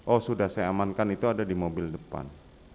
oh sudah saya amankan itu ada di mobil depan